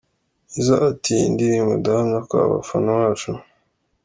Nizzo ati, Iyi ndirimbo ndahamya ko abafana bacu.